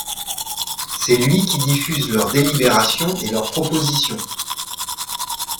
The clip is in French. C'est lui qui diffuse leurs délibérations et leurs propositions.